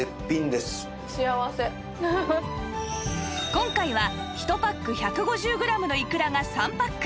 今回は１パック１５０グラムのいくらが３パック